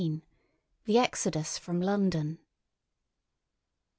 XVI. THE EXODUS FROM LONDON.